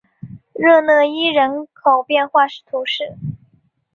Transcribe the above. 热讷伊人口变化图示